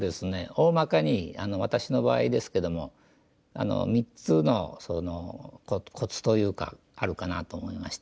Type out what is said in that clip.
おおまかに私の場合ですけども３つのコツというかあるかなと思いまして。